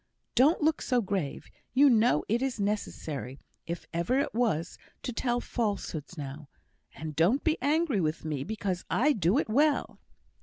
Don't look so grave. You know it is necessary, if ever it was, to tell falsehoods now; and don't be angry with me because I do it well."